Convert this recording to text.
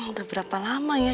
udah berapa lama ya